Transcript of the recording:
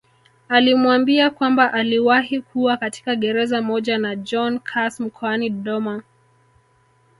Alimwambia kwamba aliwahi kuwa katika gereza moja na John Carse mkoani Dodoma